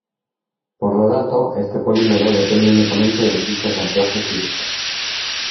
Por lo tanto este polímero depende únicamente de puntos de anclaje físicos.